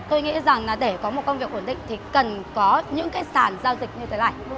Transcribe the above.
tôi nghĩ rằng là để có một công việc ổn định thì cần có những cái sàn giao dịch như thế này